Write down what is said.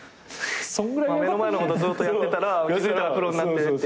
目の前のことずっとやってたら気付いたらプロになってる。